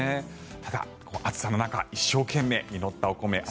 ただ、暑さの中一生懸命実ったお米。